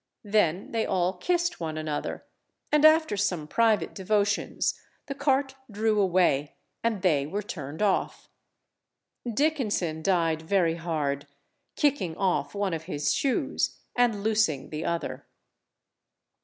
Then they all kissed one another, and after some private devotions the cart drew away and they were turned off. Dickenson died very hard, kicking off one of his shoes, and loosing the other.